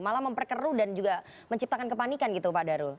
malah memperkeru dan juga menciptakan kepanikan gitu pak darul